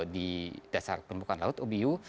di dasar permukaan laut obu